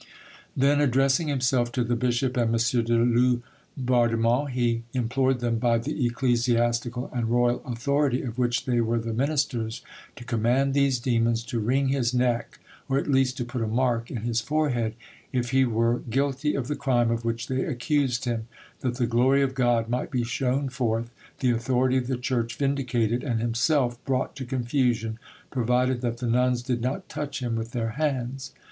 Then addressing himself to the bishop and M. de Laubardemont, he implored them by the ecclesiastical and royal authority of which they were the ministers to command these demons to wring his neck, or at least to put a mark in his forehead, if he were guilty of the crime of which they accused him, that the glory of God might be shown forth, the authority of the Church vindicated, and himself brought to confusion, provided that the nuns did not touch him with their hands.